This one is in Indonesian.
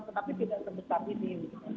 tapi tidak sebesar ini